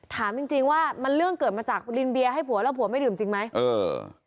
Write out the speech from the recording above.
ถามจริงจริงว่ามันเรื่องเกิดมาจากลินเบียร์ให้ผัวแล้วผัวไม่ดื่มจริงไหมเออ